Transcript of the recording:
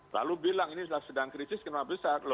lalu bilang ini sedang krisis kenapa besar